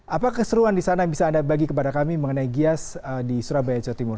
apa keseruan di sana yang bisa anda bagi kepada kami mengenai gias di surabaya jawa timur